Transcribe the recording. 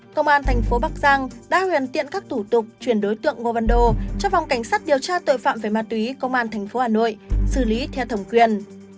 công an thành phố bắc giang đã huyền tiện các thủ tục chuyển đối tượng ngô văn đô cho phòng cảnh sát điều tra tội phạm về ma túy công an thành phố hà nội xử lý theo thổng quyền